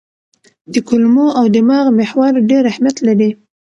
د کولمو او دماغ محور ډېر اهمیت لري.